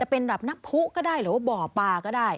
เป็นแบบน้ำผู้ก็ได้หรือว่าบ่อปลาก็ได้